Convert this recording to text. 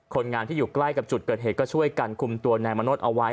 คนงานที่อยู่ใกล้กับจุดเกิดเหตุก็ช่วยกันคุมตัวนายมโนธเอาไว้